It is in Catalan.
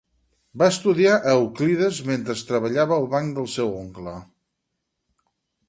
Va estudiar a Euclides mentre treballava al banc del seu oncle.